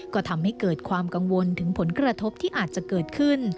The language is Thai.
ก็ทำให้เกิดความกังวลถึงผลกระทบที่อาจจะเกิดขึ้น